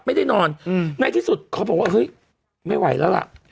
ไม่ได้นอนอืมไงที่สุดครอบครัวบอกว่าเฮ้ยไม่ไหวแล้วล่ะ